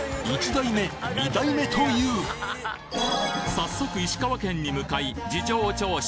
早速石川県に向かい事情聴取